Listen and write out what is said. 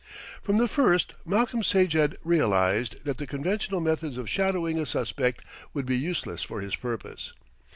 From the first Malcolm Sage had realised that the conventional methods of shadowing a suspect would be useless for his purpose.